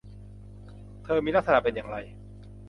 เธอมีลักษณะเป็นอย่างไร ?